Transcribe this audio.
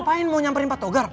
apaan mau nyamperin patogar